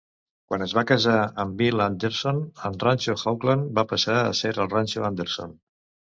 Quan es va casar amb Bill Anderson, en ranxo Hoaglund va passar a ser el ranxo Anderson.